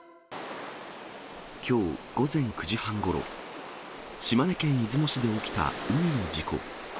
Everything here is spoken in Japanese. きょう午前９時半ごろ、島根県出雲市で起きた海の事故。